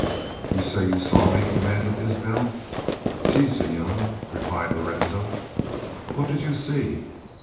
"'You say you saw me?' demanded Isbel. "'Si, senor,' replied Lorenzo. "What did you see?'